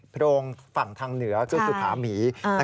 โพรงฝั่งทางเหนือนั่นคือถือหามี